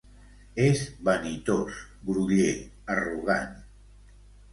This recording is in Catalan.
És vanitós, groller, arrogant.